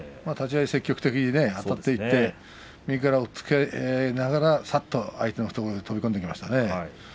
立ち合い積極的にあたっていって右から押っつけながらさっと相手の懐に飛び込んできましたね。